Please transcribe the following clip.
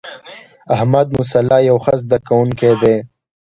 احمدمصلح یو ښه زده کوونکی دی.